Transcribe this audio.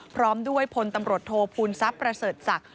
พร้อมด้วยพลตำรวจโทษภูมิทรัพย์ประเสริฐศักดิ์